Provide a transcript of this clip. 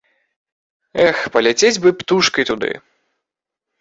Эх, паляцець бы птушкай туды!